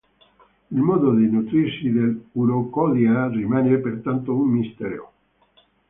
Il modo di nutrirsi dell'urokodia rimane pertanto un mistero.